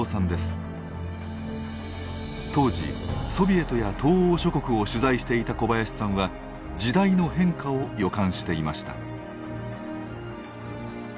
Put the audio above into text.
当時ソビエトや東欧諸国を取材していた小林さんは時代の変化を予感していました。